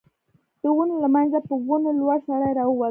د ونو له مينځه په ونه لوړ سړی را ووت.